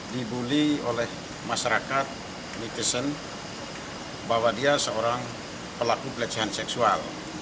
dibully oleh masyarakat netizen bahwa dia seorang pelaku pelecehan seksual